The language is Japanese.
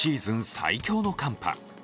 最強の寒波。